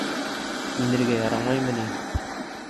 Инергә ярамаймы ни?